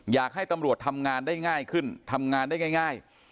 อยากให้ตำรวจทำงานได้ง่ายขึ้นทำงานได้ง่าย